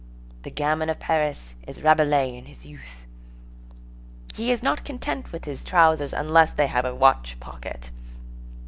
The gamin of Paris is Rabelais in this youth. He is not content with his trousers unless they have a watch pocket.